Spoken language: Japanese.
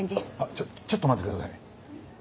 ちょっちょっと待ってください。